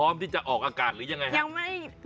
สุดยอดน้ำมันเครื่องจากญี่ปุ่น